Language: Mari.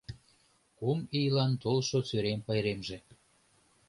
Кум ийлан толшо Сӱрем пайремже